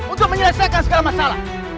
untuk menyelesaikan segala masalah